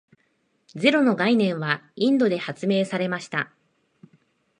ゼロの概念はインドで発明されました。